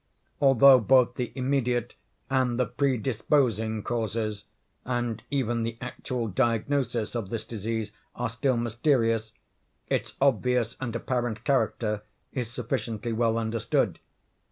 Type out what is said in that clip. Although both the immediate and the predisposing causes, and even the actual diagnosis, of this disease are still mysterious, its obvious and apparent character is sufficiently well understood.